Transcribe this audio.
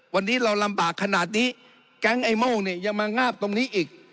วันนี้เราลำบากขนาดนี้แก๊งไอ้โม่งเนี่ยยังมางาบตรงนี้อีก